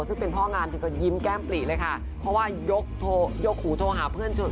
ซึ่งเป็นพ่องานเธอก็ยิ้มแก้มปลีเลยค่ะเพราะว่ายกหูโทรหาเพื่อนชน